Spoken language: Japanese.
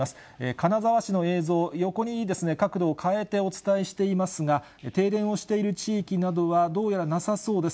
金沢市の映像、横に角度を変えてお伝えしていますが、停電をしている地域などは、どうやらなさそうです。